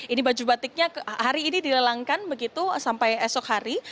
ini baju batiknya hari ini dilelangkan begitu sampai esok hari